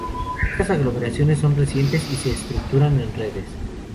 Estas aglomeraciones son recientes y se estructuran en redes.